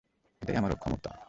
এটাই আমার ক্ষমতা।